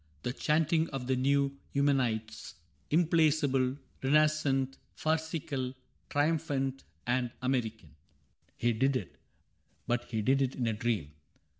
The chanting of the new Eumenides, 46 CAPTAIN CRAIG Implacable, renascent, farcical. Triumphant, and American. He did it. But he did it in a dream.